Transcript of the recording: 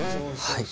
はい。